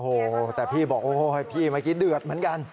โอ้โหแต่พี่บอกโอ้ยพี่เมื่อกี้เดือดเหมือนกัน